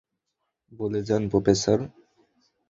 বলে যান, প্রফেসর।